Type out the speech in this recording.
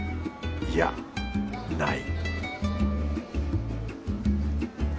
いやない